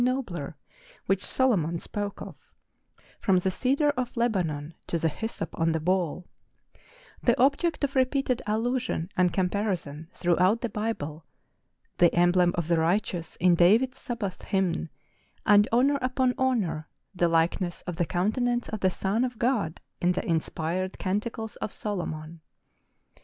nobler) which Solomon spoke of, " from the cedar of Lebanon to the hyssop on the wall," the object of repeated allusion and comparison throughout the Bible,—the emblem of the righteous in David's Sabbath hymn, and, honour upon honour, the like¬ ness of the countenance of the Son of Grod in the inspired Canticles of Solomon.